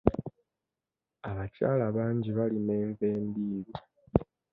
Abakyala bangi balima enva endiirwa.